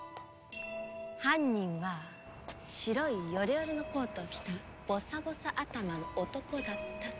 犯人は白いヨレヨレのコートを着たボサボサ頭の男だったと。